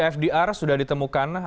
fdr sudah ditemukan